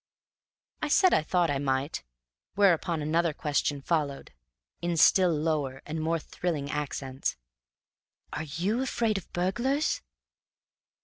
I said I thought I might, whereupon another question followed, in still lower and more thrilling accents: "Are you afraid of burglars?"